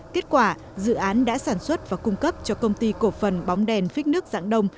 kết quả dự án đã sản xuất và cung cấp cho công ty cổ phần bóng đèn phích nước dạng đông